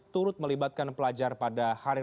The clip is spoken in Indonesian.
turut melibatkan pelajar pada hari